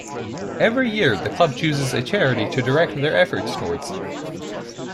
Every year the club chooses a charity to direct their efforts towards.